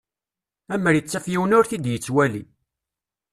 Amer ittaf yiwen ur t-id-yettwali